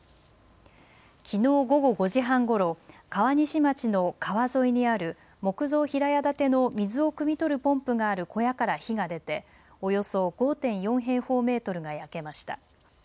きのう午後５時半ごろ川西町の川沿いにある木造平屋建ての水をくみ取るポンプがある小屋から火が出ておよそ５．４平方メートルが焼けました。